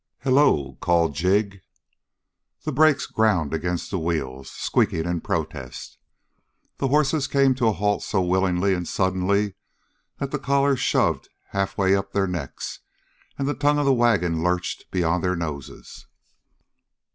"Halloo!" called Jig. The brakes ground against the wheels, squeaking in protest. The horses came to a halt so willing and sudden that the collars shoved halfway up their necks, and the tongue of the wagon lurched beyond their noses.